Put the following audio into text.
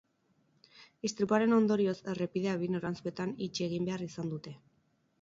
Istripuaren ondorioz errepidea bi noranzkoetan itxi egin behar izan dute.